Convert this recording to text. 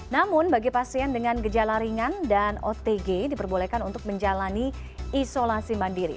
namun bagi pasien dengan gejala ringan dan otg diperbolehkan untuk menjalani isolasi mandiri